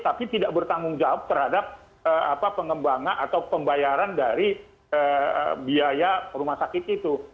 tapi tidak bertanggung jawab terhadap pengembangan atau pembayaran dari biaya rumah sakit itu